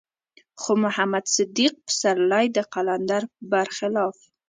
خو محمد صديق پسرلی د قلندر بر خلاف.